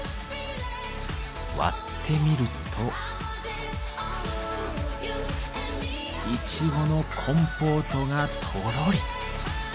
割ってみるとイチゴのコンポートがとろり。